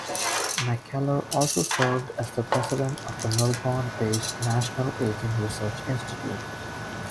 MacKellar also served as the president of the Melbourne-based National Ageing Research Institute.